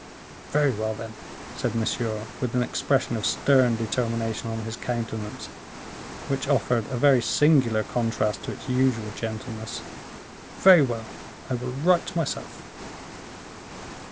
"Very well, then," said Monsieur, with an expression of stern determination on his countenance, which offered a singular contrast to its usual gentleness. "Very well. I will right myself!"